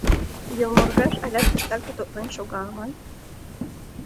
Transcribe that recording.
Йылморгаж алят тыштак тототлен шога аман...